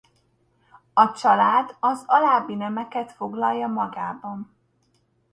A család az alábbi nemeket foglalja magában.